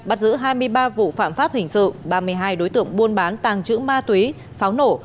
bắt giữ hai mươi ba vụ phạm pháp hình sự ba mươi hai đối tượng buôn bán tàng trữ ma túy pháo nổ